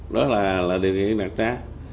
đó là địa chỉ đặt ra